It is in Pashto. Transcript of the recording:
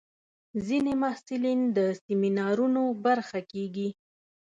ځینې محصلین د سیمینارونو برخه کېږي.